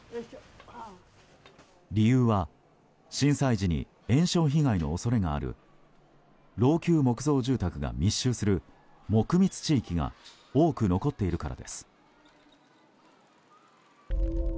理由は、震災時に延焼被害の恐れがある老朽木造住宅が密集する木密地域が多く残っているからです。